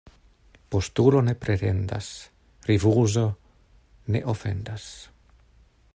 Postulo ne pretendas, rifuzo ne ofendas.